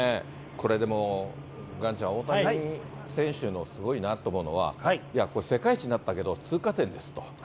これでも岩ちゃん、大谷選手のすごいなと思うのは、これ、世界一になったけど通過点ですと。